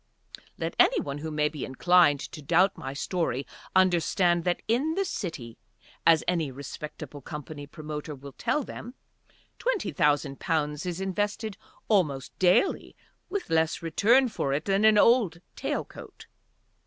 Let any who may be inclined to doubt my story understand that in the City, as any respectable company promoter will tell them, twenty thousand pounds is invested almost daily with less return for it than an old tail coat.